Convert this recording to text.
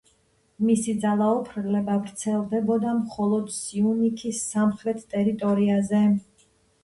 მისი ძალაუფლება ვრცელდებოდა მხოლოდ სიუნიქის სამხრეთ ტერიტორიაზე.